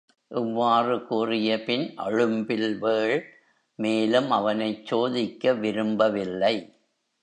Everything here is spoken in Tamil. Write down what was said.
இவ்வாறு கூறியபின் அழும்பில்வேள் மேலும் அவனைச் சோதிக்க விரும்பவில்லை.